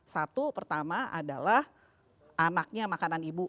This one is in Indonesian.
satu pertama adalah anaknya makanan ibu